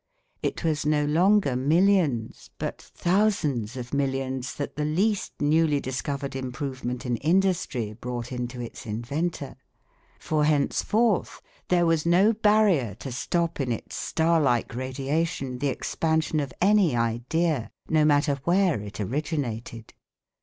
It was no longer millions but thousands of millions that the least newly discovered improvement in industry brought in to its inventor; for henceforth there was no barrier to stop in its star like radiation the expansion of any idea, no matter where it originated.